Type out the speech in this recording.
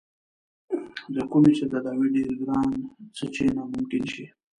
د کومې چې تداوے ډېر ګران څۀ چې ناممکن شي